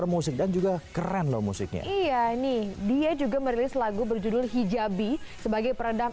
musik dan juga keren loh musiknya iya ini dia juga merilis lagu berjudul hijabi sebagai peredam